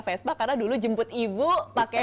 vespa karena dulu jemput ibu pakai